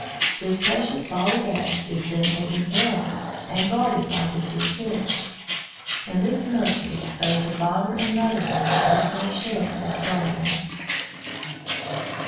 This precious ball of eggs is then taken care of, and guarded by the two fish. In this nursery both the father and mother fish take their share as guardians.